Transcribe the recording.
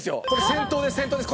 先頭です先頭です。